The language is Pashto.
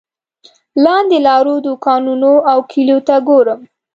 لاندې لارو دوکانونو او کلیو ته ګورم.